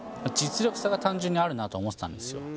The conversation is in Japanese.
実力差が単純にあるなと思ってたんですよ